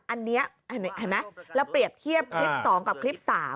อันนี้เห็นไหมเราเปรียบเทียบคลิป๒กับคลิป๓